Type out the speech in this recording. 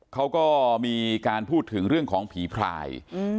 เขาก็มีการพูดถึงเรื่องของผีพราย